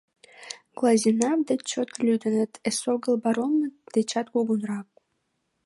Глазенапп деч чот лӱдыныт, эсогыл баронмыт дечат кугунрак.